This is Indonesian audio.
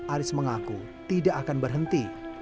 aris mengaku tidak akan berhenti